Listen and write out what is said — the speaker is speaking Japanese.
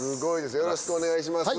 よろしくお願いします。